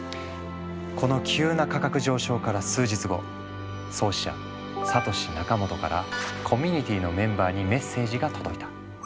この急な価格上昇から数日後創始者サトシ・ナカモトからコミュニティーのメンバーにメッセージが届いた。